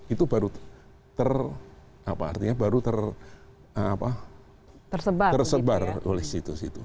itu baru tersebar oleh situ situ